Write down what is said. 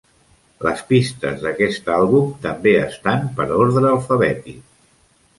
Les pistes d'aquest àlbum també estan per ordre alfabètic.